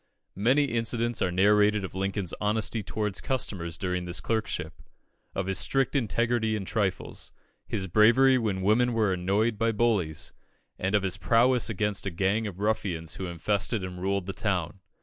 Many incidents are narrated of Lincoln's honesty towards customers during this clerkship of his strict integrity in trifles his bravery when women were annoyed by bullies and of his prowess against a gang of ruffians who infested and ruled the town.